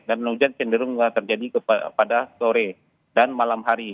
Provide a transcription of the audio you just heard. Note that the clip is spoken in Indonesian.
dan hujan cenderung terjadi pada sore dan malam hari